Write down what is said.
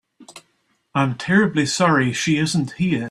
I'm terribly sorry she isn't here.